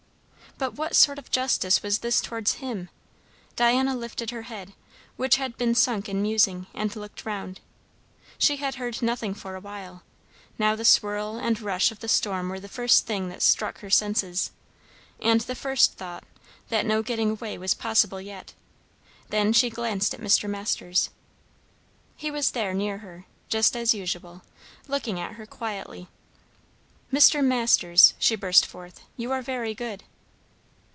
But what sort of justice was this towards him? Diana lifted her head, which had been sunk in musing, and looked round. She had heard nothing for a while; now the swirl and rush of the storm were the first thing that struck her senses; and the first thought, that no getting away was possible yet; then she glanced at Mr. Masters. He was there near her, just as usual, looking at her quietly. "Mr. Masters," she burst forth, "you are very good!"